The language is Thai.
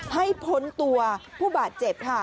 ให้พ้นตัวผู้บาดเจ็บ